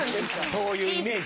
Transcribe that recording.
そういうイメージ。